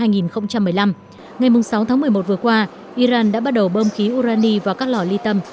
năm hai nghìn một mươi năm ngày sáu tháng một mươi một vừa qua iran đã bắt đầu bơm khí urani vào các lò ly tâm